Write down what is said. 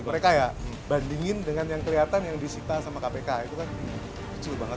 mereka ya bandingin dengan yang kelihatan yang disita sama kpk itu kan kecil banget